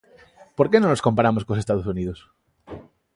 ¿Por que non nos comparamos cos Estados Unidos?